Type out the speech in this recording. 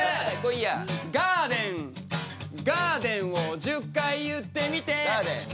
ガーデンガーデンを１０回言ってみてガーデン？